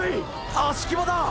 葦木場だ！